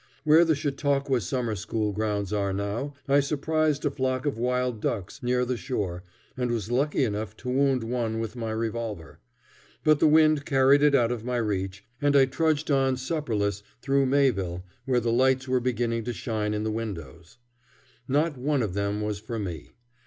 Where the Chautauqua summer school grounds are now I surprised a flock of wild ducks near the shore, and was lucky enough to wound one with my revolver. But the wind carried it out of my reach, and I trudged on supperless, through Mayville, where the lights were beginning to shine in the windows. Not one of them was for me.